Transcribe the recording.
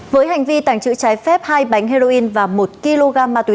với hành vi tàng trữ trái phép hai bánh heroin và một kg ma túy